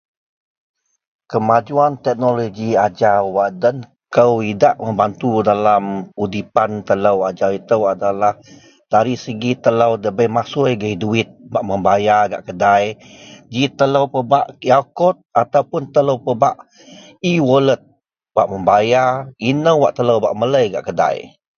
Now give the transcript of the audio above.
Kemajuwan teknoloji ajau wak den kou idak membantu dalam udipan telou ajau itou adalah dari segi telou debei masui agei duwit bak membayar gak kedai ji telou pebak QR kod ataupun telou pebak ewalet bak membayar inou wak telou bak melei gak kedai